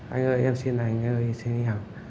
anh ơi em xin anh anh ơi xin em